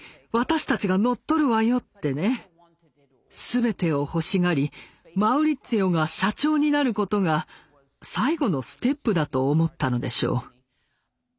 全てを欲しがりマウリッツィオが社長になることが最後のステップだと思ったのでしょう。